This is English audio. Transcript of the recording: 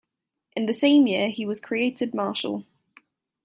In the same year he was created marshal.